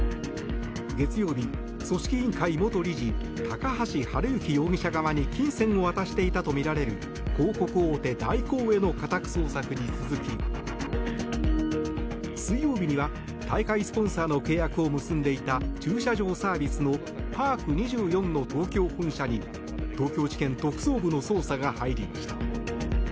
月曜日、組織委員会元理事高橋治之容疑者側に金銭を渡していたとみられる広告大手、大広への家宅捜索に続き水曜日には大会スポンサーの契約を結んでいた駐車場サービスのパーク２４の東京本社に東京地検特捜部の捜査が入りました。